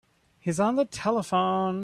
He's on the telephone.